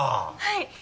はい。